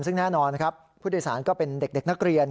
ซึ่งแน่นอนครับผู้โดยสารก็เป็นเด็กนักเรียน